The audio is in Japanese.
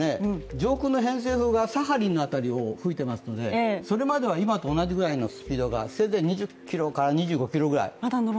上空の偏西風がサハリンの辺りを吹いてますのでそれまでは今と同じぐらいのスピードがせいぜい２０２５キロぐらい。